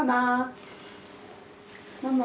ママ？